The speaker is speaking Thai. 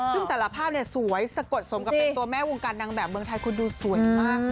ซึ่งแต่ละภาพเนี่ยสวยสะกดสมกับเป็นตัวแม่วงการนางแบบเมืองไทยคุณดูสวยมาก